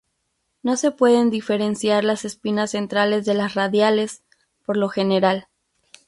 No se pueden diferenciar las espinas centrales de las radiales, por lo general.